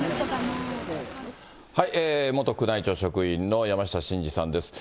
元宮内庁職員の山下晋司さんです。